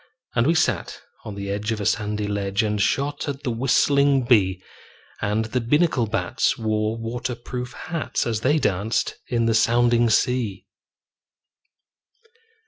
And we sat on the edge of a sandy ledge And shot at the whistling bee; And the Binnacle bats wore water proof hats As they danced in the sounding sea.